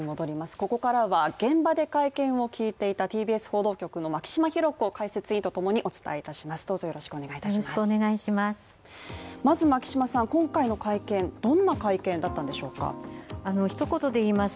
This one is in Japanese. ここからは現場で会見を聞いていたＴＢＳ報道局の牧嶋博子解説委員とともにお伝えします。